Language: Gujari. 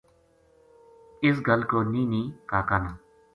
اس گل کو نی نی کا کا نا